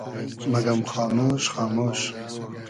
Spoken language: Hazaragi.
مئگئم خامۉش خامۉش